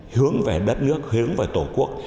hướng về đất nước hướng về tổ quốc